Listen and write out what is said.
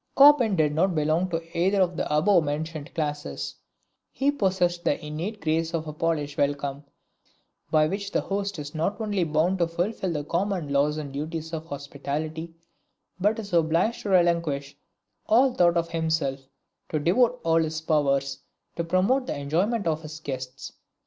Chopin did not belong to either of the above mentioned classes; he possessed the innate grace of a Polish welcome, by which the host is not only bound to fulfill the common laws and duties of hospitality, but is obliged to relinquish all thought of himself, to devote all his powers to promote the enjoyment of his guests.